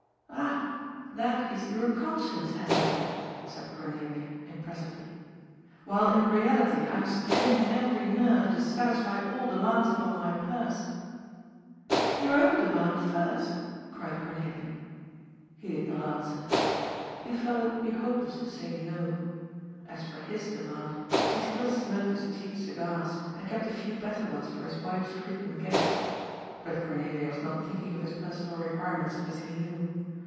*^ Ah, that is your conscience, Hendrik," said Cornelia, impressively. " While in reality I am straining every nerve to satisfy all demands upon my purse." " Your own demand first," cried Cornelia. He did not answer. He felt it would be hopeless to say TWO RIGHTS AND NO WRONG. 295 no. As for his demand^ he still smoked his cheap cigars, and kept a few better ones for his wife's frequent guests* But Cornelia was not thinking of his personal requirements, as he knew.